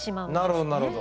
なるほどなるほど。